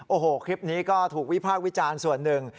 โอ้โหคลิปนี้ก็ถูกวิพากษ์วิจารณ์ส่วนหนึ่ง